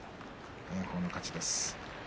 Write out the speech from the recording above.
炎鵬の勝ちです。